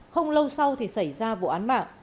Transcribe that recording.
không lâu sau thì xảy ra vụ án mạng